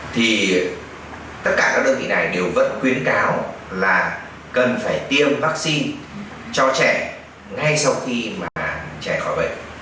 thì tất cả các đơn vị này đều vẫn khuyến cáo là cần phải tiêm vaccine cho trẻ ngay sau khi mà trẻ khỏi bệnh